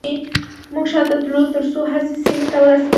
موږ شاته تلو ترڅو هغې سیمې ته ورسېدم چې انیلا وه